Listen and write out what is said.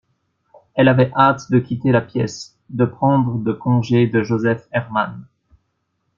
Elle avait hâte de quitter la pièce, de prendre de congé de Joseph Herman